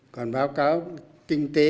còn báo cáo kinh tế